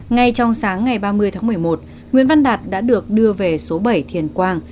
ngay trong sáng ngày ba mươi tháng một mươi một nguyễn văn đạt đã được đưa về số bảy thiền quang